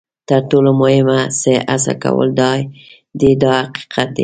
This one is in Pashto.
تر ټولو مهم څه هڅه کول دي دا حقیقت دی.